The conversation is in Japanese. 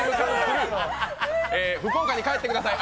えー、福岡に帰ってください。